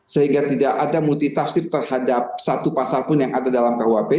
sehingga tidak ada multitafsir terhadap satu pasal pun yang ada dalam kuhp